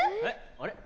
あれ？